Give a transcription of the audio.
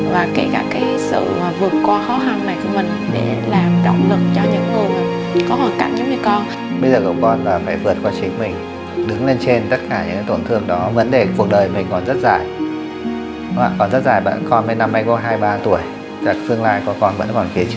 và kể cả cái sự vượt qua khó khăn này của mình